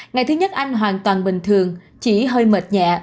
ngày thứ nhất anh hoàn toàn bình thường chỉ hơi mệt nhẹ